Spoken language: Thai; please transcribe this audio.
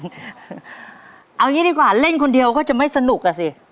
เอาอย่างนี้ดีกว่าเล่นคนเดียวก็จะไม่สนุกอ่ะสิ